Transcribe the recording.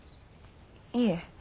いえ